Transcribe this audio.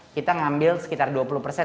kita ngambil sekitar dua puluh persen